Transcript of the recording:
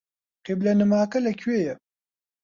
قیبلەنماکە لەکوێیە؟